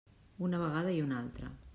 Una vegada i una altra.